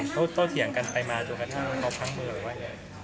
ทำยังไงโทษเถียงไปมาจนกระทั่งเค้าพักมืออย่างไร